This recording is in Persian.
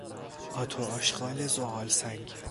آت و آشغال زغالسنگ